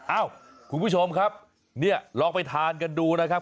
เอ้าคุณผู้ชมครับเนี่ยลองไปทานกันดูนะครับ